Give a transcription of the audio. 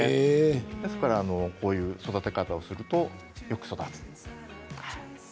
ですから、こういう育て方をするとよく育つんです。